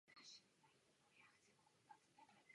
Vznikají krasové oblasti.